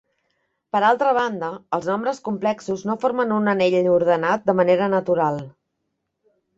Per altra banda, els nombres complexos no formen un anell ordenat de manera natural.